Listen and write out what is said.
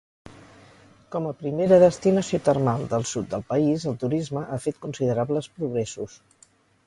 Com a primera destinació termal del sud del país el turisme ha fet considerables progressos.